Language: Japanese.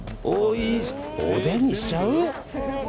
おでんにしちゃう？